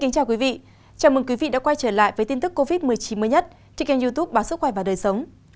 chào mừng quý vị đã quay trở lại với tin tức covid một mươi chín mới nhất trên kênh youtube báo sức khỏe và đời sống